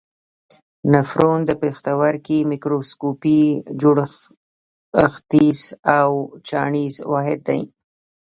نفرون د پښتورګي میکروسکوپي جوړښتیز او چاڼیز واحد دی.